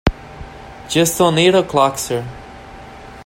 Just on eight o'clock, sir.